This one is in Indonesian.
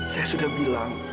saya sudah bilang